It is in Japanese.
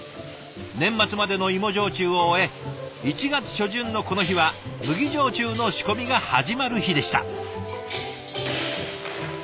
年末までの芋焼酎を終え１月初旬のこの日は麦焼酎の仕込みが始まる日でした。